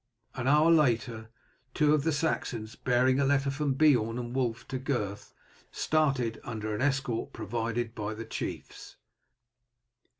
An hour later two of the Saxons bearing a letter from Beorn and Wulf to Gurth started under an escort provided by the chiefs.